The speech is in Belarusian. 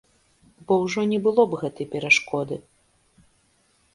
Бо ўжо не было б гэтай перашкоды.